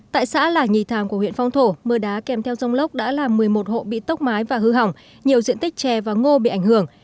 tại xã lạ nhì tham của huyện phong thổ mưa đá kèm theo gió lốc đã làm một mươi một hộ bị tốc mái và hư hỏng nhiều diện tích tre và ngô bị ảnh hưởng